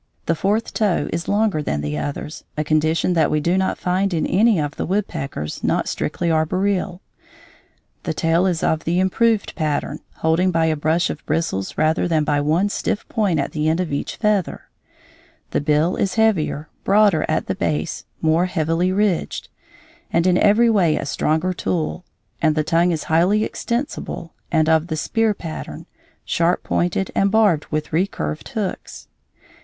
The fourth toe is longer than the others, a condition that we do not find in any of the woodpeckers not strictly arboreal; the tail is of the improved pattern, holding by a brush of bristles rather than by one stiff point at the end of each feather; the bill is heavier, broader at the base, more heavily ridged, and in every way a stronger tool; and the tongue is highly extensible and of the spear pattern, sharp pointed and barbed with recurved hooks.